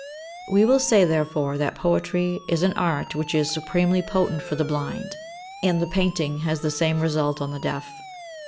We will say, therefore, that poetry is an art which is supremely potent for the blind, and the painting has the same result on the deaf.